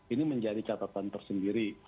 ini menjadi catatan tersendiri